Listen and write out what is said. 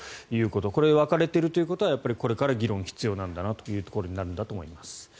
これ分かれているということはこれから議論、必要なんだなということなんだと思います。